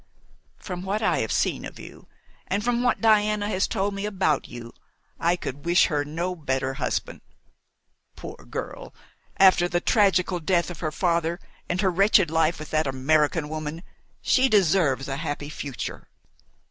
"From what I have seen of you, and from what Diana has told me about you, I could wish her no better husband. Poor girl! After the tragical death of her father, and her wretched life with that American woman, she deserves a happy future."